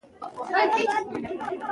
راځئ چې دا ژبه نوره هم پیاوړې کړو.